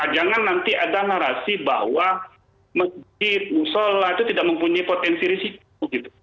jangan nanti ada narasi bahwa masjid musola itu tidak mempunyai potensi risiko